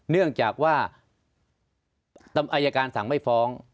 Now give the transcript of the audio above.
เนื่องจากว่าอายการสั่งไม่ฟ้อง